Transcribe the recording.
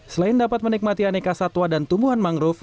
selain dapat menikmati aneka satwa dan tumbuhan mangrove